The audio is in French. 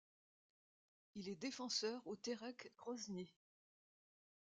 Il est défenseur au Terek Grozny.